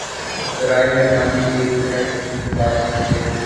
برائے مہربانی ایک منٹ انتظار کیجئیے!